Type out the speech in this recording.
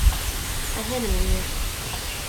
Mae hyn yn wir!